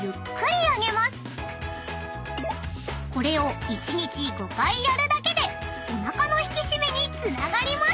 ［これを１日５回やるだけでおなかの引き締めにつながります］